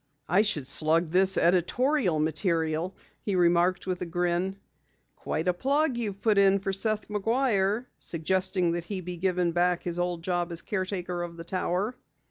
"I should slug this 'editorial material,'" he remarked with a grin. "Quite a plug you've put in for Seth McGuire suggesting that he be given back his old job as caretaker of the Tower."